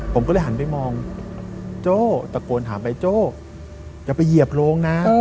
ผมก็เลยหันไปมองโจ้ตะโกนหาใบโจ้อย่าไปเหยียบโรงนะ